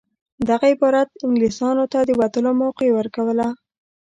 دغه عبارت انګلیسیانو ته د وتلو موقع ورکوله.